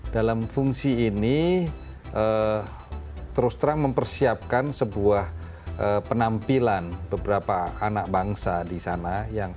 dalam fungsi ini terus terang mempersiapkan sebuah penampilan beberapa anak bangsa di sana